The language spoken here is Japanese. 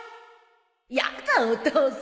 やだお父さん。